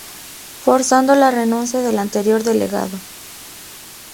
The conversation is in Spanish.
Forzando la renuncia del anterior delegado.